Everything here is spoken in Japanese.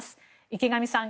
池上さん